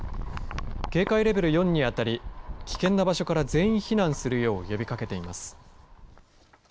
警戒レベル４に当たり危険な場所から全員避難するよう呼びかけています。